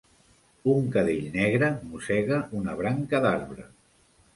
Un cadell negre mossega una branca d'arbre.